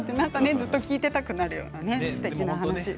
ずっと聞いていたくなるようなすてきな話。